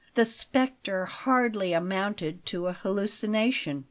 The spectre hardly amounted to a hallucination.